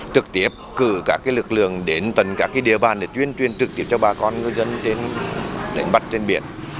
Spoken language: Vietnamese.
trực tiếp cử các lực lượng đến tận các địa bàn để tuyên truyền trực tiếp cho bà con ngư dân trên đánh bắt trên biển